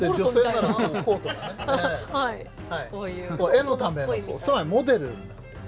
絵のためのつまりモデルになってる。